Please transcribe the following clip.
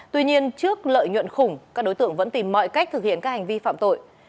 tuy nhiên trước lợi nhuận khủng các đối tượng vẫn tìm mọi cách thực hiện các hành vi phạm tội